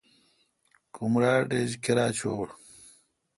کمراٹ ایچ کیرا چوں ۔